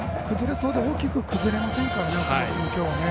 崩れそうで大きく崩れませんからね、奥本君。